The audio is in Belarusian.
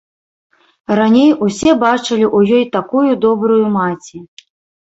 Раней усе бачылі ў ёй такую добрую маці.